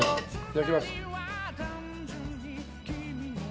いただきます。